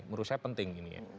menurut saya penting ini